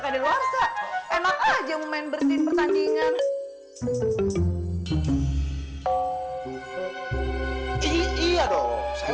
mama mama mama kau keceplosan sih ma